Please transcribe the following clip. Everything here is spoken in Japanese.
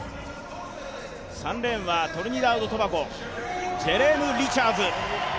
３レーンはトリニダード・トバゴ、ジェレーム・リチャーズ。